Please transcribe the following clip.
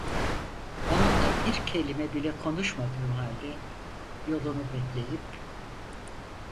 Onunla bir kelime bile konuşmadığım halde, yolunu bekleyip.